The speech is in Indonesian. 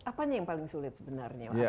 apanya yang paling sulit sebenarnya untuk